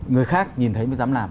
người khác nhìn thấy mới dám làm